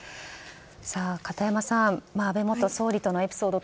片山さん安倍元総理とのエピソード